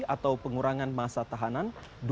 atau pengurangan masa tahanan